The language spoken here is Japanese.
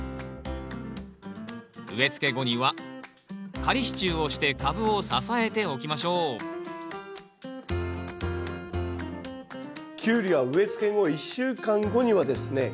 植えつけ後には仮支柱をして株を支えておきましょうキュウリは植えつけ後１週間後にはですね